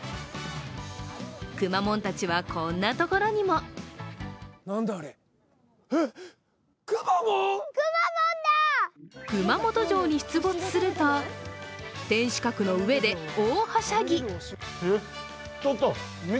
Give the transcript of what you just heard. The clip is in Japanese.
くまモンたちは、こんなところにも熊本城に出没すると天守閣の上で大はしゃぎ。